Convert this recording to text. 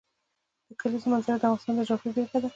د کلیزو منظره د افغانستان د جغرافیې بېلګه ده.